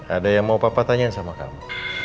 ada yang mau papa tanyain sama kamu